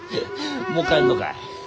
もう帰んのかい？